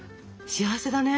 幸せだね。